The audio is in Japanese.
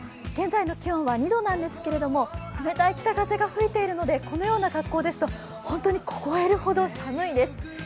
現在の気温は２度なんですけれども冷たい北風が吹いているのでこのような格好ですと、本当に凍えるほど寒いです。